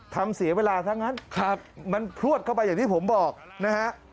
เสียเวลาซะงั้นมันพลวดเข้าไปอย่างที่ผมบอกนะฮะ